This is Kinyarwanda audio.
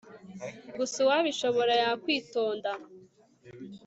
gusa uwabishobora yakwitonda